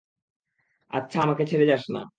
আমাকে ছেড়ে যাস না।